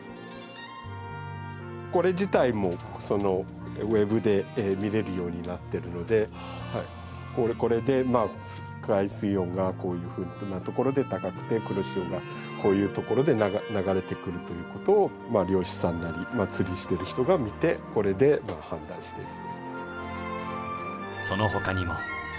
これ自体もウェブで見れるようになっているのでこれで海水温がこういうふうなところで高くて黒潮がこういうところで流れてくるということを漁師さんなり釣りしてる人が見てこれで判断している。